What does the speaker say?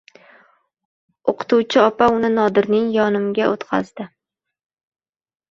O‘qituvchi opa uni Nodirning yonimga o‘tqizdi.